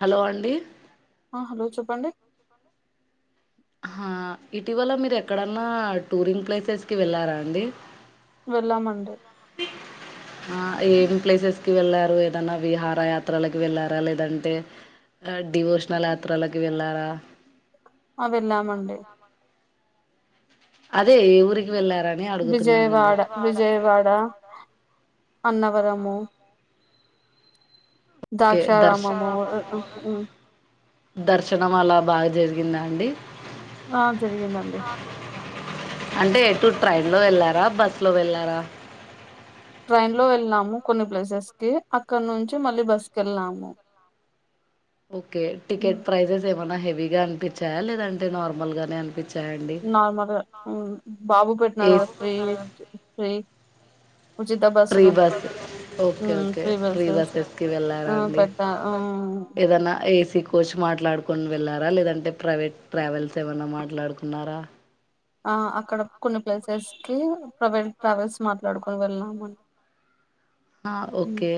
Hello అండి అ hello చెప్పండి హ ఇటీవల మీరు ఎక్కడన్నా టూరింగ్ ప్లేసెస్ కి వెళ్ళారా అండి వెళ్ళామండి ఆ ఏం ప్లేసెస్ కి వెళ్ళారు ఏదన్నా విహార యాత్రలకి వెళ్ళారా లేదంటే డివోషనల్ యాత్రలకి వెళ్ళారా అ వెళ్ళాము అండి అదే ఏ ఊరికి వెళ్ళర్ విజయవాడ విజయవాడ అన్నవరము ఓకే దర్శ దాక్షారామమ్ దర్శనం అలా బాగా జరిగిందా అండి ఆ జరిగిందండి అంటే ఎటు ట్రైన్ లో వెళ్ళారా బస్లో వెళ్ళారా ట్రైన్ లో వెళ్ళినాము కొన్ని ప్లేసెస్ కి అక్కడ నుంచి మళ్ళీ బస్ కి వెళ్ళాము ఓకే టికెట్ ప్రైజెస్ ఏం ఏమన్నా హెవీ గా అనిపించాయా లేదంటే నార్మల్ గానే అనిపించ్ నార్మల్గా బాబు పెట్టిన కదా ఏస్ ఫ్రీ ఫ్రీ ఉచిత ప్రీ బస్సులు బస్ ఓకే ఉమ్, okay free free buses buses కి ఆ, వెళ్ళారాండి పెట్టా ఉమ్, ఏదనా ఏసీ కోచ్ మాట్లాడుకు కొని వెళ్ళారా లేదంటే ప్రైవేట్ ట్రావెల్స్ ఏమన్నా మాట్లాడుకున్నారా ఆ అక్కడ కొన్ని ప్లేసెస్ ప్రైవేట్ ట్రావెల్స్ మాట్లాడుకుని వెళ్ళాంని ఆ ఓకే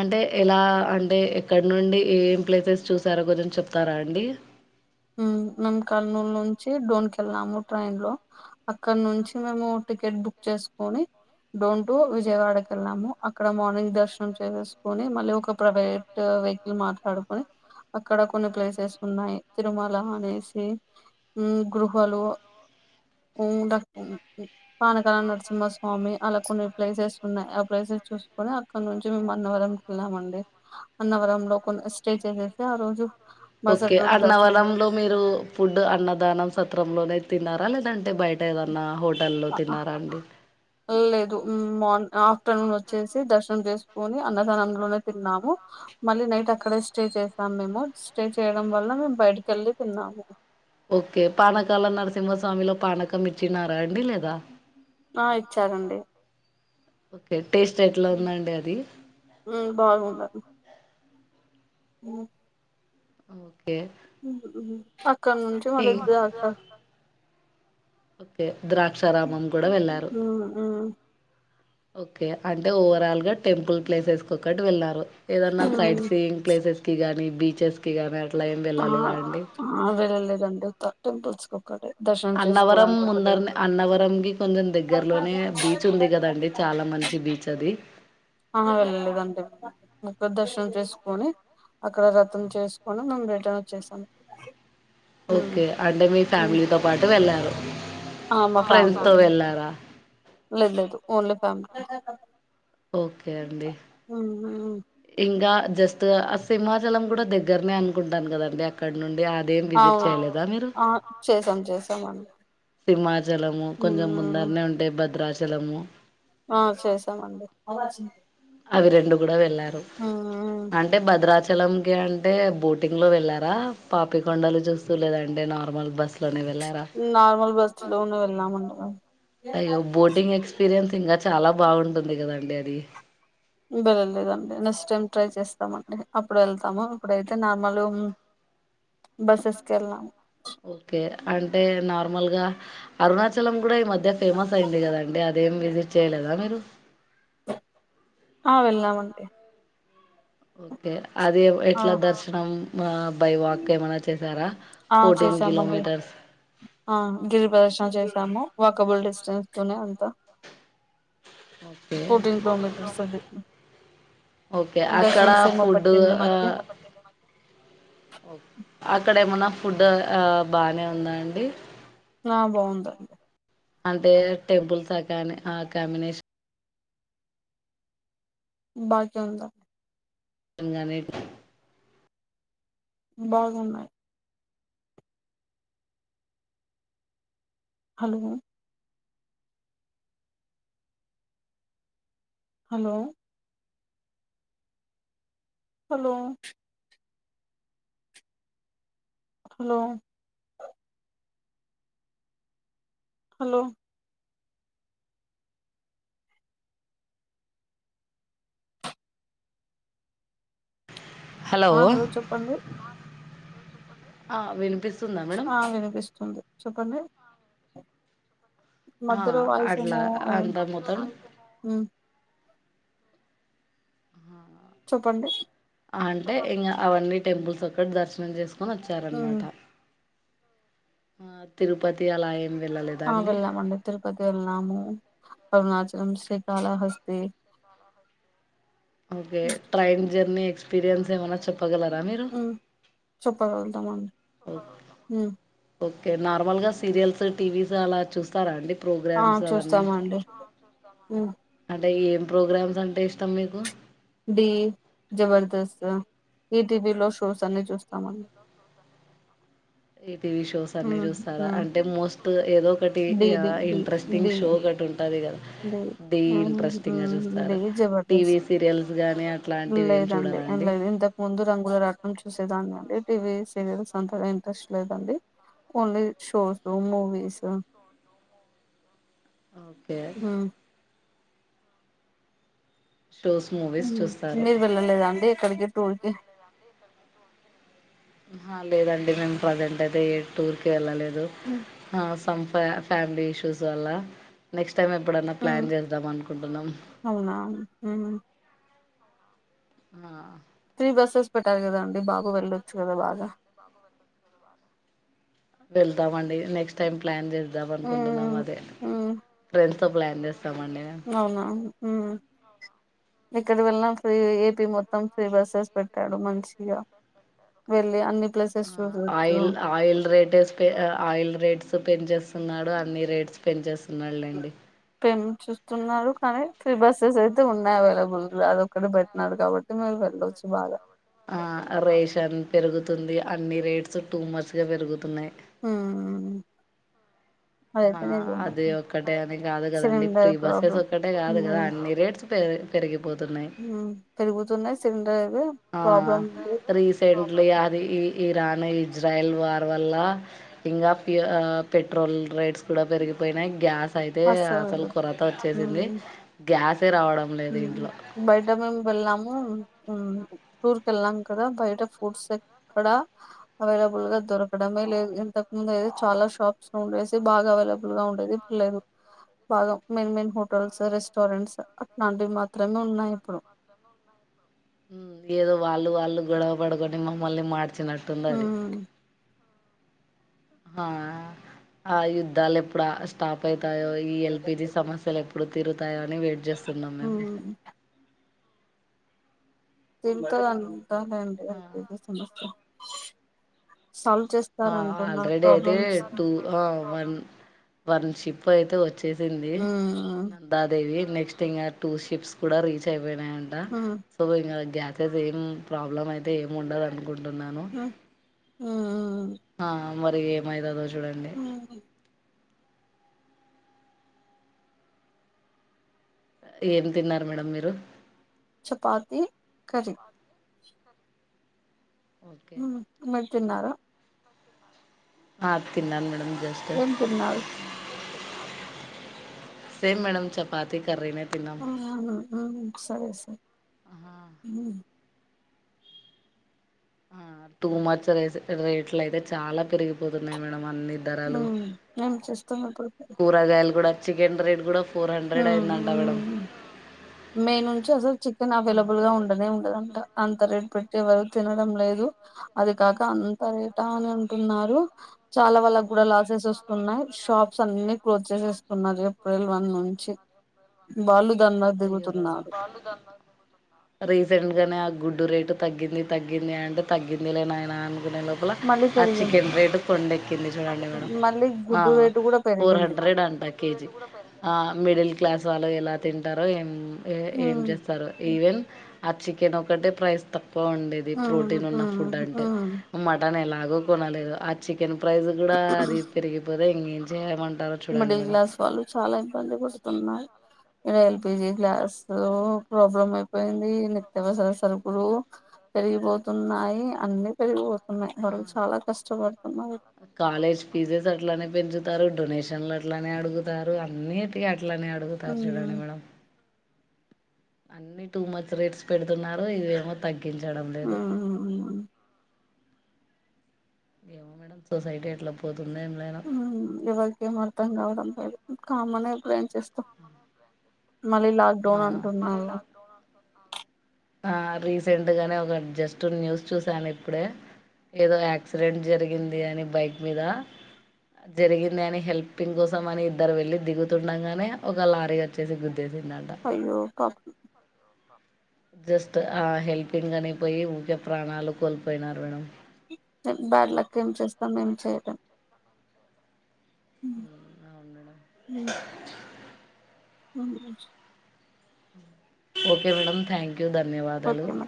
అంటే ఎలా అంటే ఎక్కడ నుండి ఏం ఏం ప్లేసెస్ చూసారో కొంచెం చెప్తారా అండి మనము కర్నూలు నుంచి డోన్ కెళ్ళాము ట్రైన్ లో అక్కడ నుంచి మేము టికెట్ బుక్ చేసుకుని డోన్ టు విజయవాడకి వెళ్ళాము అక్కడ మార్నింగ్ దర్శనం చేేసుకుని మళ్ళీ ఒక ప్రైవేట్ వెహికల్ మాట్లాడుకొని అక్కడ కొన్ని ప్లేసెస్ ఉన్నాయి తిరుమల అనేసి గృహలు కొండ పైకి పానకాల నరసింహస్వామి అలా కొన్ని ప్లేసెస్ ఉన్నాయి ఆ ప్లేసెస్ చూసుకుని అక్కడ నుంచి మేము అన్నవరంకి వెళ్ళాంమండి అన్నవరంలో కొన్ని స్టే చేసేసి ఆ రోజు మరుసటి రోజు దర్శ పొలంలో మీరు ఫుడ్ అన్నదానం సత్రంలోనే తిన్నారా లేదంటే బయట ఏదన్నా హొట్ వల్లె తిన్నార్ ఎల్ల లేదు మ్మ్ బాన్ ఆఫ్టర్నూన్ వచ్చేసి దర్శం చేసు కాని అన్నదానంలోనే తిన్నాము మళ్ళీ నైట్ అక్కడే స్టే చేసాం మేము స్టే చేయడం వల్ల మేము బయటకి వెళ్ళి తిన్నాము ఓకే పానకాల నరసింహస్వామిలో పానకం ఇచ్చినారా అండి లేదా ఆ ఇచ్చారండి ఓకే టేస్ట్ ఎట్లా ఉందండి అది మ్మ్ ఓ ఆ అక్కడ నుంచు మలీ దాక్షా ఓకే ద్రాక్షారామం కూడా వెళ్ళారు. మ్మ్ మ్మ్ ఓకే అంటే ఓవరాల్ గా టెంపుల్ ప్లేసెస్కి ఒక్కటి వెళ్ళారు. ఏదన్నా సైట్ మ్మ్ సీయింగ్ ప్లేసెస్. కి గానీ బీచెస్ కి గాని అట్ ఆ అది వెళ్ళలేదండి తట్ట ఉంటే ఇచ్చిపెడతాడు అన్నవరం ముందరనే అన్నవరం కి కొంచెం దగ్గరలోనే బీచ్ ఉంది కదండి చాలా మంచి బీచ్ అది. ఆహ వెళ్ళాలేదండి మకర దర్శనం చేసుకొని అక్కడ వ్రతం చేసుకొని మేము రేటర్న్ వచ్చేసాం. మ్మ్ ఓకే అంటే మీ మ్మ్ ఫ్యామిలీతో పాటు వెళ్లారు. ఆ మా ఫ్రెండ్స్తో ఫ్యామిలీ వెళ్ళారా లేదు లేదు ఓన్లీ ఫ్యామిలీ తో ఓకే అండి. ఉమ్, గా జస్ట్ ఆ సింమాచలం కూడా దగ్గరనే అనుకుంటాను కదండి అక్కడ నుండి అ దేన్ని విజిట్ అవును చేయలేదా మీరు ఆ చేసాం చేసామండి సింహచలము కొంచెం ఉమ్, ముందరనే ఉంటే భద్రాచ చలము ఆ చేసామండి అవి రెండు కూడా వెళ్ళారు ఉమ్, అంటే భద్రాచె చలం కీ అంటే బోటింగ్ లో వెళ్ళారా పాపి కొండలు చూస్తూ లేదంటె నార్మల్ బస్ లోనే వెళ్ళారా నార్మల్ బస్సు లో నే వెళ్ళినమండి మేం అయ్యో బోటింగ్ ఎక్స్పీరియన్స్ ఇంగా చాలా బాగుంటుంది కదంన్ డీ అది బేరలేదండి నెస్టైమ్ ట్రై చేస్తామండి అప్పుడు వెళ్తాము ఇప్పుడైతే నార్మల్ లు ఓకే అంటే నార్ మల్గా అరుణాచలం ప్పుడే ఈ మధ్య ఫేమస్ అయింది కదండి అద్ ఏం విజిట్ చేయలేదా మీరు ఆ వెళ్ళినామండి ఓకే అదే ఆ ఎట్లా దర్శనం మా బ్ బై వాక్ ఏమన్న చేసారా ఆ ఫోర్టీన్ చేసామండి కిలోమీటర్స్ సము వాకబుల్ డిస్టెన్స్ తోనే అంతా ే ఓకే ఫోర్టీన్ కిలోమీటర్స్ అది ఓకే అక్కడ దర్శనం సేమ ఫుడ్ పట్టింది మాకి అక్కడ ఏమన ఫుడ్ బానే ఉందా అండి ఆ బాగుందండి అంటే టెంపుల్సాకానీ ఆ కాంబినేష్ బా చందా [inaudible] బాగున్నాయి hello hello hello hello hello ఆ హలో చెప్పండి. ఆ వినిపి ఆ వినిపిస్తుంది. చెప్పండి. ఆ మధ్యలో వాయిస్ అట్లా ఏమో అదెం అంతా మొత్తం హ్ చెప్పండి. అంటే ఇంగా అవన్నీ టెంపుల్స్ ఒక్కటి దర్శనం చేసు కూని వచ్చారు అన్న ఉమ్ మాట ఆ తిరుపతి అలయం ఆ వెళ్ళామండి తిరుపతి ఏళ్ళము. Arunachalam Srikalahasti okay train journey experience ఏమన్నా చె ప్పగలరా మీరు తమం ఓకే హ్ ఓకే నార్మల్ గా సీరియల్స్ టీవీస్ అలా చూస్తారా అండి. ఆ ప్రోగ్రామ్స్ అవన్నీ చూస్తామండి. అంటే ఏం ప్రోగ్రామ్స్ అంటే ఇష్టం మీకు. డి జబర్దస్త్ ఈ టీవీలో షోస్ అన్ని చూస్తామండి. ఏ టీవీ షోస్ అన్నీ ఉమ్ చూస్తారా. ఉమ్ అంటే మోస్ట్ ఏదో ఒకటి డి డి డి డి ఇంట్రెస్టింగ్ షో ఒకటి ఉంటది. గాదా డి మ్మ్ ఇంట్రెస్టింగ్ గా డి చూస్తారా. జబర్దస్త్ టీవీ సీరియల్స్ గాని అట్లాంటివి ఏమి లేదండి చూడరా అండి. లేదు ఇంతకు ముందు రంగుల రాట్నం చూసేదాన్ని అండి. టీవీ సీరియల్స్ అంతగా ఇంట్రెస్ట్ లేదండి. Only shows, movies. ఓకే మ్మ్. షోస్ మూవీస్ హ్ చూస్తారు మీరు వెళ్ళలేదాండి ఎక్కడికి? ట్వల్కి ఆహా లేదండి. మేము ప్రజెంట్ అయితే ఏ టూర్ కి వెళ్ళలే మ్మ్. ఆ సం ఫ్యా ఫ్యామిలీ ఇష్యూస్ వల్లా. నెక్స్ట్ టైం ఎప్పుడన్నా మ్మ్. ప్లాన్ చేద్దాం అనుకుంటున్నం. అవునా మ్మ్. ఆ త్రీ బస్సెస్ పెట్టారు కదా అండి బాబు వెళ్ళొచ్చు కదా బాగా వెళ్తామండి. నెక్స్ట్ టైం ప్లాన్ చే ద్దాం అనుకుంటున్నాం మ్మ్. అదే మ్మ్. ఫ్రెం డ్స్ తో ప్లాన్ చేస్ అవునా ఉ ఎక్కడ వెళ్ళిన ఫ్రీ. ఏపీ మొత్తం ఫ్రీ బస్సెస్ పెట్టాడు మంచిగా వెళ్ళి అన్ని ప్లేసెస్ ఆ చూసొచ్చు oil oil rates oil rates పెంచేస్తున్నాడు. అన్ని రేట్స్ పెంచే స్తున్నాడులేండి. చేస్తున్నారు కానీ ఫ్రీ బస్సెస్ అయితే ఉన్నాయి అవైలబుల్లా. అదొక్కటి పెట్టినాడు కాబట్టి మీరు వెళ్ళవచ్చు బాగా. ఆ రేషన్ పెరుగుతుంది. అన్ని రేట్స్ టూ మచ్ గా పెరుగుతున్నాయి. ఆ ఆ అది ఒక్కటే అని కాదు కదండి. ప్రీ సిలిండర్ బస్సెస్ ప్రాబ్లం ఒక్కటే కాదు కదా అన్ని రేట్స్ పె పెరిగి హ్ పెరుగుతున్నయి. సిలిండర్ ఆ ప్రాబ్లం ఉంది త్రీసైడ్ లేఅది ఇరాన్, ఇజ్రాయిల్ వార్ వల్లా ఇంగా పె పెట్రోల్ రేట్స్ కూడా పెరిగిపోయినయి. గ్యాస్ అయితే అసలు అస్సలు కొరత వచ్చేసింది. ఉమ్ గ్యాసే రావడం లేదు ఇంట్లో. బయట మేము వెళ్ళాము టూర్ కెళ్ళాం కదా బయట ఫుడ్స్ ఎక్కడ అవైలబుల్ గా దొరకడమే లేదు. ఇంతకు ముందు అయితే చాలా షాప్స్ ఉండేసి బాగా అవైలబుల్ గా ఉండేది ఇప్పుడు లేదు. బాగా మెయిన్ మెయిన్ హోటల్స్, రెస్టారెంట్స్ అట్లాంటివి మాత్రమే ఉన్నాయి ఇప్పుడు. ఏదో వాళ్లు వాళ్లు గొడవ పడుకొని మమ్మల్ని మా నచ్చినట్టుంద అది ఉమ్ ఆ ఆ యుద్ధాలు ఎప్పుడు స్టాప్ తాయో ఈ ఎల్పిజీ సమస్యలు ఎప్పుడు తిరు వస్తాయో అని వెయిట్ చేస్తున్నాం మేము ఉమ్ [unintelligible] అవును అండి ఆ [unintelligible] ఆ చేస్తారంటున్నారు ఆల్రెడీ అయితే ప్రాబ్లమ్స్ టూ ఆ వన్ వన్ షిప్ అయితే వ వచ్చేసింది ఉమ్ నందాదేవి. నెక్ట్ ఇంకా టూర్ షిప్స్ కూడా రీచ్ అయి [unintelligible] ట ఉమ్ సుభంగా గ్యాసెస్ ఏం ప్రాబ్లమ్ అయితే ఏం ఉండదును గుంటున్నాను మ్ ఆ మరిగ మైదా దోష చుడండి ఉమ్ ఏం తిన్నారు మేడం మీరు చపాతీ కర్రీ ఓకే ఉ మరి తిన్నారా ఆ తిన్నాను మేడమ్ ఏం తినరు సేమ్ మ్యాడమ్ చపాతీ కర్రీ నే ఆ అ సరే సర ఆ ఆ తూమచ రే రేట్లు అయితే చాలా పెరిగిపోతున్నాయి మేడం అన్ని ధరాలు ఏం చేస్తాం ఇప్పుడు కూరగాయలు కూడా చికెన్ రైడ్ కూడా ఫోర్ హండ్రెడ్ అయిందంట మేడం మే నుంచి అసలు చికెన్ అవైలబుల్ గా ఉండనే ఉండదంట అవైలబుల్గా ఉండనే అంత రే టు ఉండదంట పెట్టేవరు అంత తినడం రేట్ లేదు పెట్టి ఎవరు అది తినడం కాక లేదు అంత రే అది టా అని కాక అంత అంటున్నారు రేటా అని చాలా వాళ్ళకు అంటున్నారు కూడా లాసెస్ చాలా వాళ్ళకు వస్తున్నాయి కూడా లాసెస్ షాప్స్ అన్ని వస్తున్నాయి క్లోజ్ షాప్స్ చేసేసుకున్నారు అన్ని క్లోజ్ ఏప్రిల్ వన్ ను బాలు రిసెట్గనే ఆ గుడ్డు రే తగ్గింది తగ్గింది అంటే తగ్గిందిలే నాయనా కునే లోపల మళ్ళీ ఆ పెరిగింది చికెన్ రేట్ కొండ ఎక్కింది చూడండి మేడం మళ్ళీ ఆ గుడ్డు రేటు కూడా ఫోర్ పెరిగింది హండ్రెడ్ అంట కేజి ఆ మిడిల్ క్లాస్ వాళ్ళు ఎలా తిన్ టారో ఏం ఏం ఏం ఉమ్ చేస్తారు ఈవెన్ ఆచ్చి చికెన్ ఒక్కటే ప్రైస్ తక్ ఎక్కువ ఉండేది ఉమ్ ప్రోటీన్ ఉన్న ఫుడ్ ఉమ్ అంటే ఉమ్ మటన్ ఎలా కోనలేదు ఆచి టెంప్రైజర్ కూడా అది పెరిగిపోది ఇంగ ఏం చేయలే మన్ మిడిల్ క్లాస్ వాళ్ళు చాలా ఇబ్బంది బసుతున్నారు ఇ ఎల్పిజి గ్యాస్ ప్రాబ్లం అయిపోయింది నిత్యవసర సరుకులు పెరిగిపోతున్నాయి అన్ని పెరిగిపోతు ఉన్నాయి వాళ్ళు చాలా కష్టపడు కాలేజ్ పీజెస్ అట్లనే పెంచుతు తరు డొనేషన్లు అట్లనే అడుగుతారు అన్నిటి అ ట్లనే అడుగుతారు చూడండి ఉమ్ మేడం అన్ని టూ మచ్ రేట్స్ పెడుతున్నారు ఇదిమో తగ్గి గించడం లేదు ఉమ్ ఏమో మేడం సొసైటీ ఎట్లా పోదు ఉ ఎవరికి ఏం అర్థం గావడం లేదు కామన్ యే ఇప్పుడు ఏం చేస్తాం మళ్ళీ ఆ లాక్డౌన్ అంటున్నారు ఆ రీసెంట్ గానే ఒక జస్ట్ న్యూస్ చూసాను ఇప్పుడే ఏదో యాక్సిడెంట్ జరిగింది అని బైక్ మీద జరిగింది అని హెల్పింగ్ కోసం అని ఇద్దరు వెళ్ళి దిగుతుండగానే ఒక లారీగా వచ్చేసి గుద్దేసిందిట అయ్యో కాపుం జస్ట్ ఆ హెల్పింగ్ అనిపోయి ఊరికే ప్రాణాలు కోల్పోయినారు మేడం అ బ్యాడ్ లక్ ఏం చేస్ అందిన్ చోటే అవును మేడం ఉమ్ ఉమ్ ఊ ఓకే మేడం థ్యాంక్ క్యూ ధన్యవాదాలు ఓకే మేడం